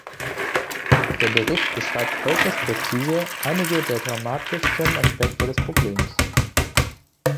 Der Bericht beschreibt äußerst präzise einige der dramatischsten Aspekte des Problems.